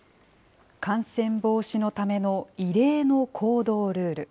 感染防止のための異例の行動ルール。